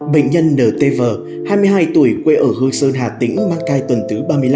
bệnh nhân ntv hai mươi hai tuổi quê ở hương sơn hà tĩnh mang thai tuần thứ ba mươi năm